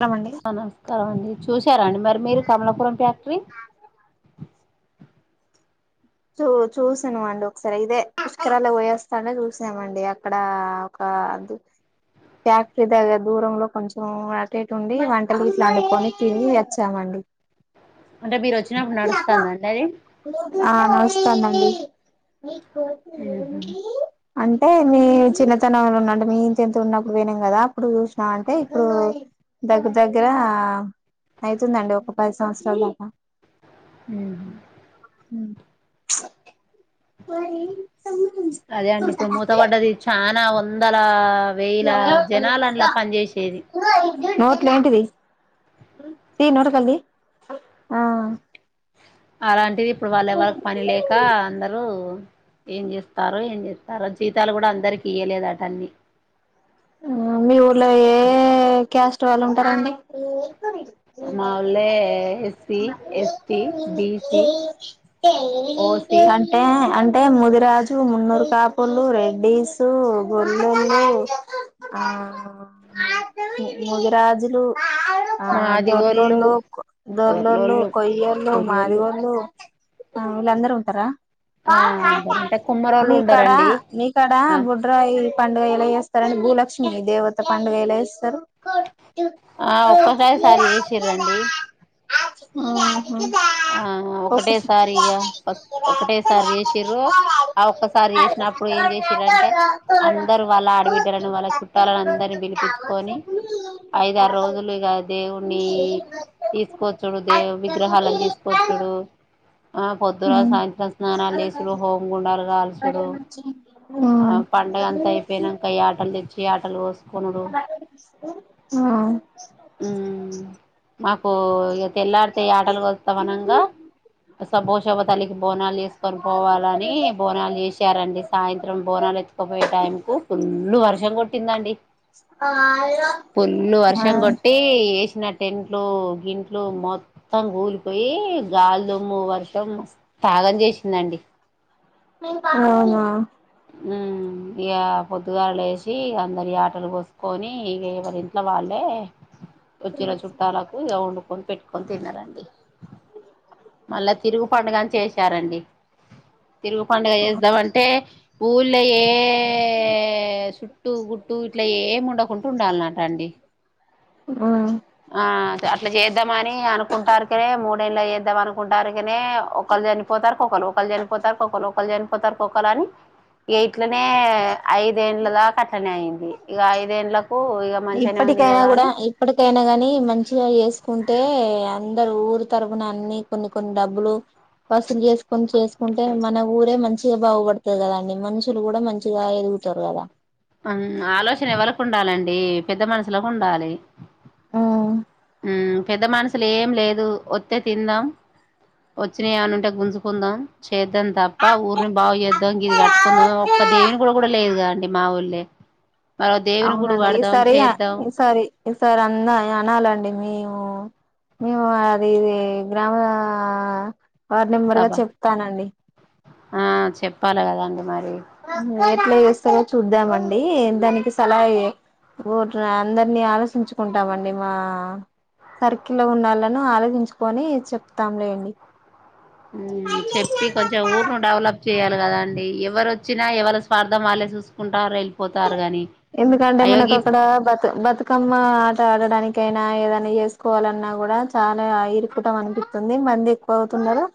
స్తామండి నమస్కారం అండి చూశారండి మరి మీరు కమలాపురం ప క్టరీ చూ చూసాను అండి ఒకసారి ఇదే పుష్కరాలు పోయేస్తానే చూసామండి అక్కడ ఒక ఫ్యాక్టరీ దగ్గర దూరంలో కొంచెం అటుేటుండి వంటలు ఇట్లా వండుకని తిరిగి వచ్చామండి అంటే మీరు వచ్చినప్పుడు నడుస్తుందండి అది ఆ స్తనండి మీ ఉహు ఏ అంటే మీ చిన్నతనంలోంలో ఉన్న అంటే మీ ఇంత ఎంత ఉన్నప్పుడు పోనేం కదా అప్పుడు చూ అంటే ఇప్పుడు దగ్గర దగ్గర అవుతుందండి ఒక పది సంవత్సరాల దాకా ఉమ్ అదే అండి ఇప్పుడు మూత పడ్డది చా వందల వేల జనాలు అందులో పని చేేసేది నోలేంటిది తీయ్నోట్లోకెళ్ళిది అలాంటి వాళ్ళ ఎవరి పని లేక అందరూ ఏం చేస్తారు ఏం చేస్తారో జీతాలు కూడా అందరికి ఇయలేదు అట అన్నిీ మీ ఊర్లో ఏ క్యాస్ట్ వాళ్ళు ఉంటారండి మా ఊళ్ళో ఎస్సీ ఎస్టి బిసి ఓసి అంటే అంటే ముదిరాజు మున్నూరు కాపులు రెడ్డీసు గొర్లోల్లు ఆ ముది రాజులు ఆ మాదిగోళ్ళు దొర్లోళ్ళు దొర్లోళ్ళు కొయ్యేళ్ళు కొయ్యోళ్ళు మాదిగోళ్లు ఆ వీళ్ళందరు ఉంటారా ఆ అంట అంటే కుమ్మరోళ్ళు మీకాడ ఉండరండి మీకాడ ఆ బుడ్రాయి పండుగ ఎలా చేస్తారని భూల లక్ష్మీ దేవత పండగెల ఎస్తారు ఆ ఒక్కసారిసారి చేసి రండి ఆ ఒకటేసారి ఇక ఫస్ ఒకటేసారి జేసిర్రు ఆ ఒక్కసారి చేసినప్పుడు ఏం చేసిర అంటే అందరు వాళ్ళ ఆడబిడ్డని వ చుట్టాలని అందరినీ పిలిపించుకొని ఐద ఆరు రోజులు ఇక దేవుని తీసుకోవచ్చుడు దేవు విగ్రహాలను వోచ్చుడు ఆ పొద్దు మ్మ్ సాయంత్రం స్నానాలు చేసుడు హోమ్ గుండ కా ఉమ్ లేచ్చి యాడు ఆ ఉమ్ మాకు ఇగ తెల్లరీతే ఆటలు కోస్తామనంగా శభోషభ తల్లికి బోనాలు వేసుకొని పోవాలని బోనాలు చేసారండి సాయంత్రం బోనాలు ఎచ్చుకోపోయే టైం కు ఫుల్లు వర్షం కొట్టిందండి ఫుల్లు ఆ వర్షం కోట్ వేసిన టెంట్లు గింట్లు మొత్తం గూలిపోయి గల్దుమ్ము వర్షం తాగం చేసిందండి అవునా ఉమ్ ఇగ పొద్దుగాళ్లు లేసి అందరి యాటలు కొసుకోని ఇక ఎవరి ఇంట్లో వాళ్ళే వచ్చిన చుట్టాలకు ఇగ వండుకొని పెట్టుకొని తిన్నారండి మళ్ళా తిరుగు పండుగని చేసారండి తిరుగు పండుగ చేద్దామంటే ఊళ్ళోయే ఏ చుట్టు గుట్టు ఇట్లా ఏమి ఉండకుంటు ఉండాలన్నట అండి ఆ ఆ అట్లా చేద్దామ అని అనుకుంటారుకనే మూడేళ్ళ చేద్దాం అనుకుంటారుకనే ఒకళ్రు చనిపోతారుక ఒకరు ఒకళ్రు చనిపోతారు ఒకరు ఒకళ్రు చనిపోతారు ఒకరు అని ఏయట్లే ఏ ఐదేళ్ల దాకట్టనే అయింది ఇగ ఐదేన్లక్ ప్పు ఇగా మంచిగానే ఉంది కదా అని తేనె గాని మంచిగా చేసుకుంటే అందరు ఊరు తరపున అన్ని కొన్ని కొన్ని డబ్బులు వసూలు చేసుకొని చేసుకుంటే మన ఊరే మంచిగా బాగుపడుతుంది కదాండి మనుషులు కూడా మంచిగా ఎదుగుతారు కదా ఉమ్ ఆలోచన ఎవరికి ఉండాలండి పెద్ద మనషులకు ఉండాలి ఉమ్ పెద్ద మనుషులు ఏం లేదు వత్తే తిందాం వచ్చినవి ఏమ్మన్న ఉంటే గుంజుకుందాం చేద్దాం తప్ప ఊరిని బాగు చేద్దాం ఇది కట్టుకుందాం ఒక్క దేవిని కూడా లేదుగా అండి మావోల్లే అవునండి ఈసారి ఈసారి ఈ సార్ అంద అనాలండి మేము మేము అది ఇది గ్రామ వార్డు నెంబరుగా సభ చెప్తానండి ఆ చెప్పాలె కద అండి మరి. అప్లై చేస్తరో చూద్దామండి, దానికి సలహ ఊరు అందరిని ఆలోచించుకుంటామండి మా సర్కిల్ లో ఉన్న వాళ్ళను ఆలోచించుకని చెప్తాం లేండి. చెప్పి కొంచెం ఊరును డెవలప్ చేయాలి కదా అండి, ఎవరు వచ్చినా ఎవరి స్వార్ధం వాళ్ళే చూసుకుంటారు. వెళ్ళిపోతారు గాని ఎందుకంటే మనకు అయోగి అక్కడ బతు బతుకమ్మ ఆట ఆడడాని కైనా ఏదైనా చేసుకోవాలన్నా కూడా చాలా ఇరుకుటం అనిపిస్తుంది, మంది ఎక్కువ అవుతున్నారు.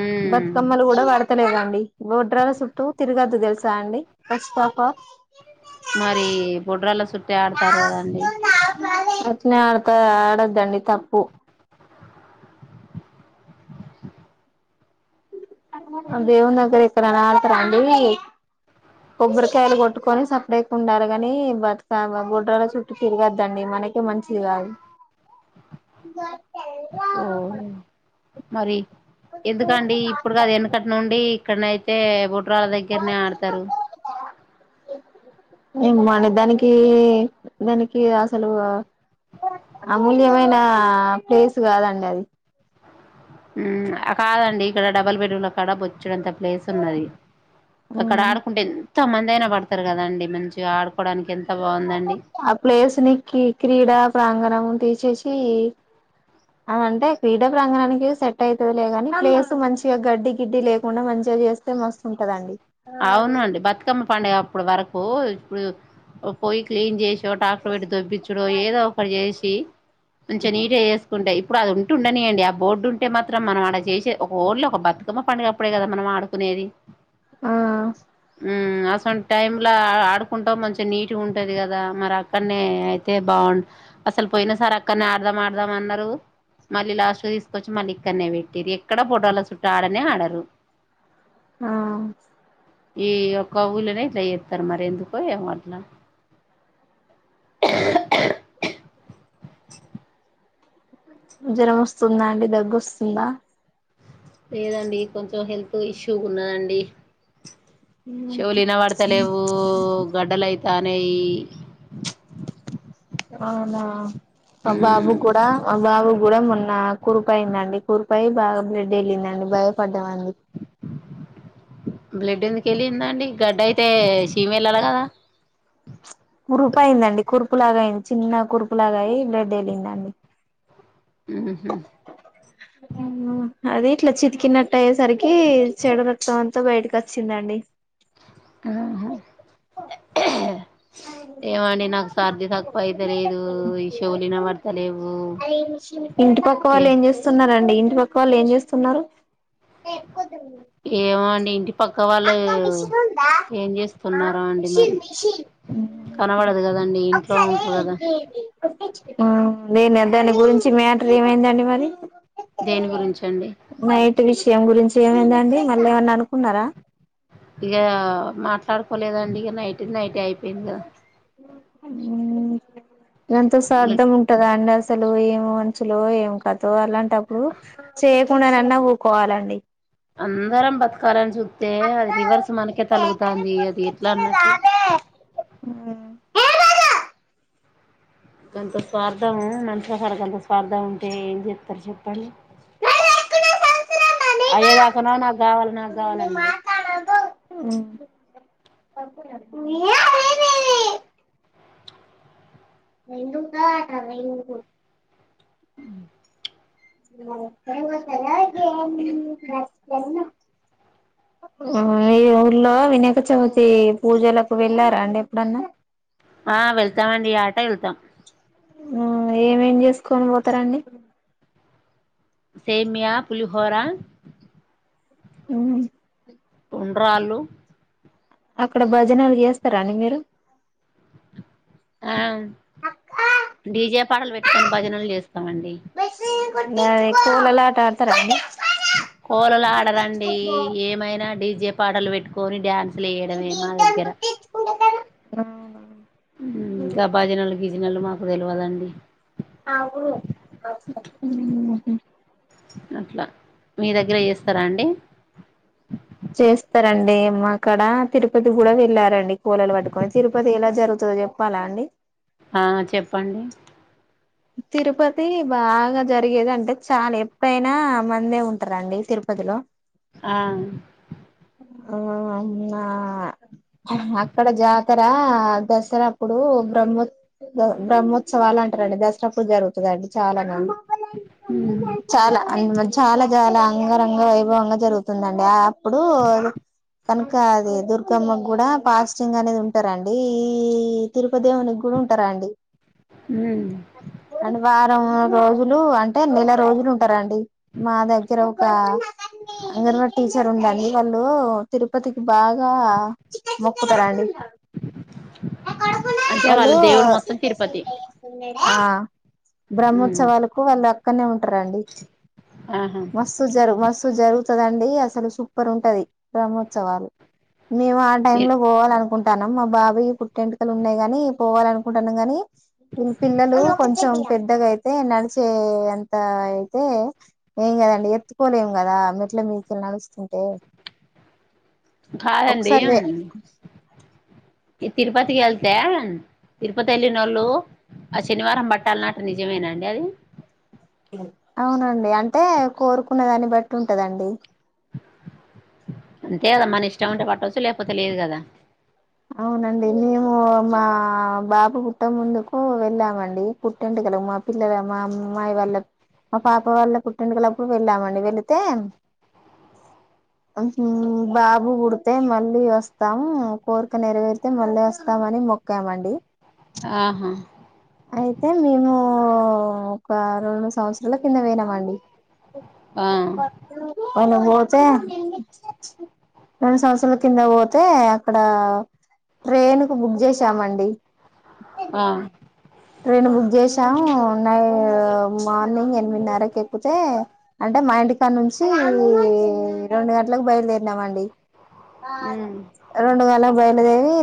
మ్మ్ బతుకమ్మలు కూడా వడతలేదండి, గోడ్రాల సుట్టూ తిరగద్దు తెలుసా అండి, ఫస్ట్ పాఫ్ ఆఫ్ మరి బొడ్రల సుట్టే ఆడతారు కదండి. అట్నే ఆడత ఆడద్దండి తప్పు.. దేవుని దగ్గర ఎక్కడన్న ఆడతార అండి, కొబ్బరికాయలు కొట్టుకొని సప్డేక ఉండాలె గని బతుకవ్వ బోడ్రాల చుట్టూ తిరగద్దండి మనకే మంచిది కాదు. ఓ మరి ఎందుకండి ఇప్పుడు కాదు ఎనుకటి నుండి ఇక్కనయితే బొ బొడ్రాలు వాళ్ళ దగ్గరనే ఆడతరు. ఏమండి దానికి దానికి అసలు అమూల్యమైన ప్లేస్ కాదండి అది. ఉమ్ ఆ కాదండి ఇక్కడ డబల్ బెడ్ రూమ్లకు కడ బొచ్చడంత ప్లేస్ ఉన్నది. అక్కడ ఆడుకుంటే ఎంతమందైన పడతరు కదండీ మంచిగా ఆడు ఆ ప్లేస్ నీ కి క్రీడా ప్రాంగణం తీసేసి సి అదంటే క్రీడా ప్రాంగణానికి సెట్ ఐతుది లే కాని, ప్లేసు మంచిగా గడ్డి గిడ్డి లేకుండా మంచిగా చేస్తే మస్తుంటదండి. అవునండి బతుకమ్మ పండుగ అప్పుడు వరకు ఇప్పుడు పోయి క్లీన్ చేశి ట్రాక్టర్ పెట్టి పెట్ దొబ్బించుడో ఏదో ఒకటి చేసి కి కొంచెం నీట్ గా చేస్ కుంటయ్ ఇప్పుడు అదుంటె ఉంటుండనీయండి ఆ బోర్డు ఉంటే మా త్రం మనం ఆడ చేసేది ఒక ఓళ్ళో ఒక బతుకమ్మ పండుగ అప్పుడే కదా మనం ఆడుకునేది. ఆ ఉమ్ అసోం టైమ్ ల ఆడుకుంటాం మంచిగ నీట్గా ఉంటుంది కదా, మరి అక్కడనే అయితే బావుండు అసలు పోయినసారక్కడనే ఆడదాం ఆడదాం అన్నరు, మళ్ళీ లాస్ట్ తీసుకొచ్చి మళ్ళీ ఇక్కన్నే పెట్టిర్రూ ఎక్కడ ఫోటోల చుట్ట ఆడనే ఆడరు. ఆ ఈ ఒక్క ఉల్లనే ఇట్ల చేత్తరు మరి ఎందుకో ఏమో అట్ల జ్వరం వస్తుందా అండి, దగ్గొస్తుందా? లేదండి కొంచెం హెల్త్ ఇష్యూ ఉన్నదండి. శెవులు ఇనవడత లెవ్వు, గడ్డలయి దనీ అనా ఆ బాబు ఉమ్ కూడా ఆ బాబు కూడా మన కురిపైయిందండి కురపాయి బాగా బ్రెడ్ వెళ్ళిందండి భయపడ్డాం అందు బ్లడ్ ఎందుకు వెెళ్ళిందా అండి గడ్డ అయితే సీమ వెళ్ళాలి కదా కురుపాయిందండి కురు ఉరుపులాగా అయింది చిన్న కురుపులాగా అయి బ్లెడ్ వెళ్ళంద అండి ఉ అదే ఇట్లా చితికినట్టు అయ్యేసరికి చెడు రక్తం అంతా బయటకి వచ్చిందండి ఆహా ఏమండి నాకు సర్ది తక్కువ అయితే లేదు ఈషవులున పడత లేవు ఏ క్క వాళ్ళు ఏం చేస్తున్నారు ఏమంట ఏంటి ప అ మషన్ ఉందా చేస్తున్నారో అండి మిషన్ మరి మిషన్ కనబడదు కదండి ఇంట్లో ఒకసారి ఉంటారు కదా నేను దాని గురించి మ్యాటర్ ఏమైందండి మరి దేని గురించి అండి నయటి విషయం గురించి మ ఏందండి మళ్ళీ ఏమన్నా అనుకున్నారా ఇక మాట్లాడుకోలేదండి ఇక నైట్ నైట్ అయిపో పన్న అ ఎంతో స్ అార్ధం ఉంటదా అండి అసలు ఏం మనుంచులు ఏం కథో అలాంటప్పుడు చేయకుండానన్నా వ్కోవాలండి అందరం బతుకాలని చూస్తతే అది రివర్స్ మనకే తలుగుతుంది అది ఎట్లా అన్నట్టు రాద అంత స్వార్థం నంచిసారికి అంత స్వార్ధం ఉంటే ఏం చెప్తారు చెప్పండి అయేదాకనావు నాకు కావాలి నాకు కావాలన్నారు మీ రెడుూ కట రె ఈ ఊర్లో వినాయక చవితి పూజలకు వెళ్ళారా అండి ఎప్పుడన్నా ఆ వెళ్తామండి ఆట వెళ్తాం ఏమేం చేసుకో కొని పోతారంండి సేమయా పులిహోరా అవు టుండ్రాలుు అక్కడ భజనాలు చేస్తారా అండి మీరు ఆ డీజే పాడలు పెట్టుకొని భజనలు చేస్త స్తమండి ఎక్క వెలా ఆట ఆడతారా అండి కోలలు ఆడరండి ఏమైనా డీజే పాటలు పెట్టుకొని డ్యాన్స్ అసలుయడమే మా దగ్గర అవు బాజీనా రీజినలు మాకు తెలియదండి అవు అట్లా మీ దగ్గర చేస్తారా అండి చేస్తారంండి మా అక్కడ తిరుపతి కూడా వెళ్లారండి కోలలు పటుకొని తిరుపతి ఎలా జరుగుంది చెప్పాలా అండి ఆ చెప్పండి తిరుపతి బాగా జరిగేదింటే చాలా ఎప్పుడైనా మందే ఉంటారంండి తిరుపతిలో ఆ ఆనా అక్కడ జాతర దసరా అప్పుడు బ్రహ్మ బ్రహ్మోత్సవాలు అంటారండి దసరా ప్పు జరుగుతుంద అండి చాలాగాం మ్మ్ చాలా అ చాలా చాలా అంగరంగ వైభవంగా జరుగుతుందండి ఆయాప్ ఇప్పుడు అ కనుక అది దుర్గమ్మ కూడా పాస్టింగ్ అనేది ఉంటారం అండి ఈ తిరుపతిేవునికి కూడా ఉంటారా అండి హ అంటే వారం రోజులు అంటే నెల రోజులు ఉంటారంండి మా దగ్గర ఒక అంగవా టీచర్ ఉందండి వాళ్ళు తిరుపతికి బాగా మొక్కుతారుండి అంటే వాళ్ళ వాళ్ళు దేవుడు మొత్తం తిరుపతి ఆ మ్మ్ బ్రహ్మోత్సవాలకు వాళ్ళు క ండి ఆహా మస్తు జరు మస్తు జరు వదండి అసలు సూపర్ ఉంటది బ్రహ్మోత్సవాలు మేము ఆ టైమ్ లో మీరు- పోవాలి అనుకుంటుాం తనం మా బావ కు టెంట్కలు ఉన్నాయి గాని పోవాల అనుకుంటున్నాను గానీ పిల్లలు కొంచెం పెద్దగా అయితే నడిచే అంత అయితే ఏం కదండి ఎత్తుకోలేం కదా మెట్ల మీకలు నడుస్తుంటే కాాదడి ఒకసారి అ తిరుపతికి వెళ్తే తిరుపతి వెళ్ళినోళ్ళు ఆ శనివారం బట్టాలన్నట్టు నిజమేనాండి అది అవునండి అంటే కోరుకునే దాన్ని బట్టి ఉంటదండి అంతే కదా మన ఇష్టం ఉంటే పట్టవచ్చు లేకపోతే తెలియదు కదా అవునండి మేము మా బాబు కుుట్ట ముందుకు వెళ్ళామండి పుట్టింటు కల మా పిల్లల మా అమ్మాయి వాళ్ళ మా పాప వాళ్ళ కుుట్టింంటిు కలప్పుడు వెళ్ళామండి వెళితే బాబు కుడితే మళ్ళీ వస్తాము కోరిక నెరవేరితే మళ్ళీ వస్తామని మొక్కామండి ఆహా అయితే మేము ఒక రెండు మూడు సంవత్సరాల కింద వేనామండి ఆ పోయిన పోతే నేను సంవత్సరాలు కింద పోతే అక్కడ ట్రైన్ కు బుక్ చేసామండి ఆ ఆ ట్రైన్ బుక్ చేసామున్నాై మార్నింగ్ ఎనిమిదిన్నరకి ఎక్కుకితే అంటే మా ఇంటికాని నుంచి రెండు గంటలకు బయలుదేరినామండి అ అలా బయలుదేవి